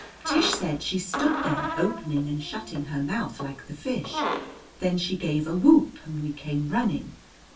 Tish said she stood there, opening and shutting her mouth like the fish. Then she gave a whoop and we came running.